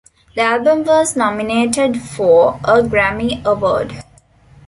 The album was nominated for a Grammy Award.